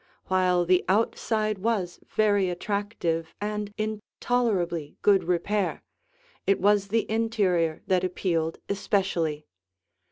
While the outside was very attractive and in tolerably good repair, it was the interior that appealed especially.